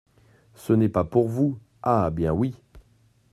Ce n’est pas pour vous, ah bien, oui !